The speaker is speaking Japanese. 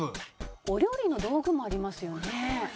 お料理の道具もありますよね。